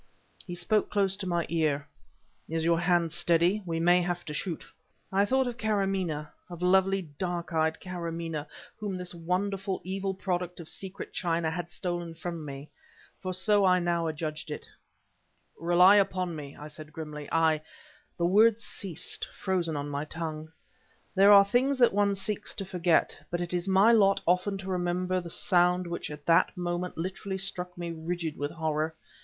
He spoke close to my ear. "Is your hand steady? We may have to shoot." I thought of Karamaneh, of lovely dark eyed Karamaneh whom this wonderful, evil product of secret China had stolen from me for so I now adjudged it. "Rely upon me!" I said grimly. "I..." The words ceased frozen on my tongue. There are things that one seeks to forget, but it is my lot often to remember the sound which at that moment literally struck me rigid with horror.